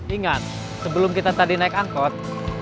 ingat sebelum kita tadi naik angkot